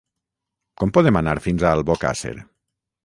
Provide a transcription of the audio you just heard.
Com podem anar fins a Albocàsser?